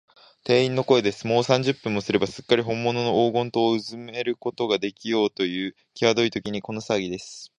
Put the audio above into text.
店員の声です。もう三十分もすれば、すっかりほんものの黄金塔をうずめることができようという、きわどいときに、このさわぎです。